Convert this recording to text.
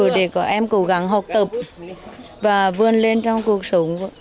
để các em cố gắng học tập và vươn lên trong cuộc sống